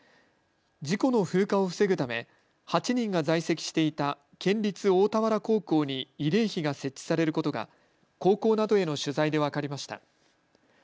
事故の風化を防ぐため８人が在籍していた県立大田原高校に慰霊碑が設置されることが高校などへの取材で分かりました。